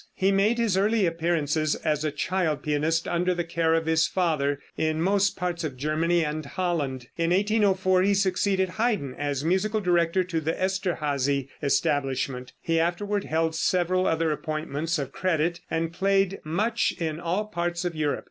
He made his early appearances as a child pianist under the care of his father, in most parts of Germany and Holland. In 1804 he succeeded Haydn as musical director to the Esterhazy establishment. He afterward held several other appointments of credit, and played much in all parts of Europe.